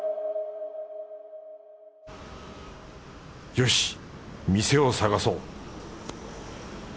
よし店を探そう